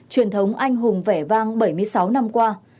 truyền thống anh hùng vẻ vang bảy mươi sáu năm qua